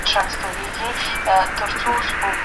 څېړنه د کومو مطالعو اړتیا لري؟